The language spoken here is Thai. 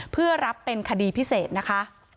เพื่อรับเป็นคดีพิเศษนะคะ